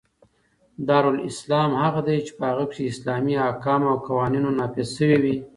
دارالاسلام هغه دئ، چي په هغي کښي اسلامي احکام او قوانینو نافظ سوي يي.